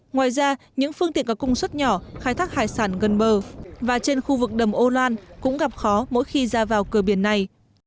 ngoài ra những phương tiện có công suất nhỏ khai thác hải sản gần bờ và trên khu vực đầm âu loan cũng gặp khó mỗi khi ra vào cửa biển này